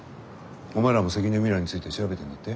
お前らも関根ミラについて調べてんだって？